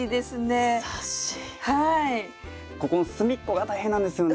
ここの隅っこが大変なんですよね。